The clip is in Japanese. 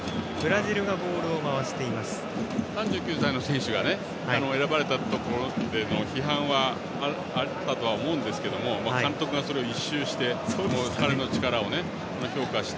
３９歳の選手が選ばれたということでの批判はあったとは思うんですが監督がそれを一蹴して彼の力を評価した。